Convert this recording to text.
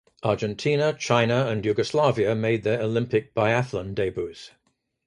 Argentina, China and Yugoslavia made their Olympic biathlon debuts.